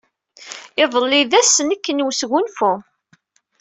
Iḍelli d ass-nnek n wesgunfu.